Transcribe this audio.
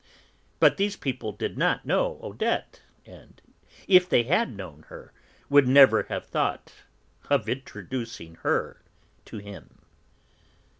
But these people did not know Odette, and, if they had known her, would never have thought of introducing her to him.